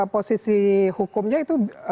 posisi hukumnya itu